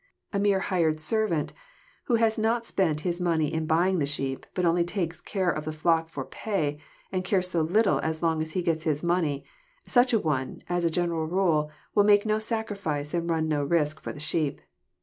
A mere hired servant, who has not spent his money in buying the sheep, but only takes charge of a flock for pay, and cares little so long as he gets his money, such an one, as a general rule, will make no sacrifice and run no risk for the sheep.